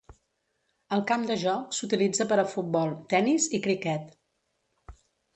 El camp de joc s"utilitza per a futbol, tenis i criquet.